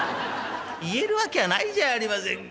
言える訳はないじゃありませんか